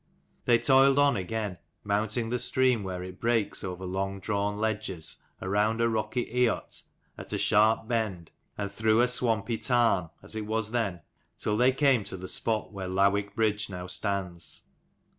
They toiled on again, mounting the stream where it breaks over long drawn ledges, around a rocky eyot at a sharp bend, and through a swampy tarn (as it was then) till they came to the spot where Lowick bridge now stands.